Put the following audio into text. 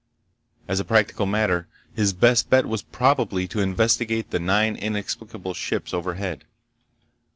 As a practical matter, his best bet was probably to investigate the nine inexplicable ships overhead.